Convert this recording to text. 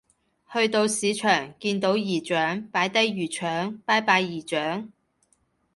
去到市場見到姨丈擺低魚腸拜拜姨丈